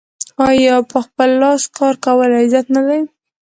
آیا په خپل لاس کار کول عزت نه دی؟